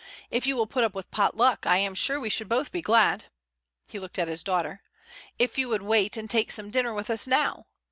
If you will put up with pot luck I am sure we should both be glad—" he looked at his daughter"—if you would wait and take some dinner with us now.